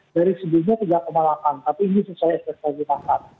dari sebelumnya tiga delapan tapi ini susah ekspresi pasar